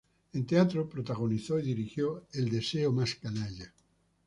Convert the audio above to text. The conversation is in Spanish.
En teatro, protagonizó y dirigió "El deseo más canalla".